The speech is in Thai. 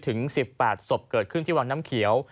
ถึง๑๘ศพเกิดขึ้นที่วังน้ำเขียว